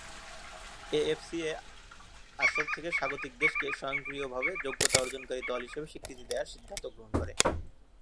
AFC এ আসর থেকে স্বাগতিক দেশকে স্বয়ংক্রিয়ভাবে যোগ্যতা অর্জনকারী দল হিসেবে স্বীকৃতি দেয়ার সিদ্ধান্ত গ্রহণ করে।